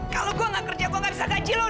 kalau gue nggak kerja gue nggak bisa gaji lu